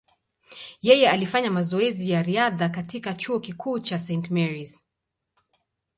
Yeye alifanya mazoezi ya riadha katika chuo kikuu cha St. Mary’s.